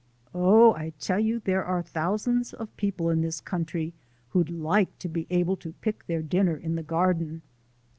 Oh, I tell you there are thousands of people in this country who'd like to be able to pick their dinner in the garden!"